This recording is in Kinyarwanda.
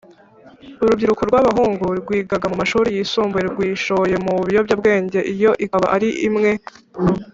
Urubyiruko rw abahungu rwigaga mu mashuri yisumbuye rwishoye mu biyobyabwenge iyo ikaba ari imwe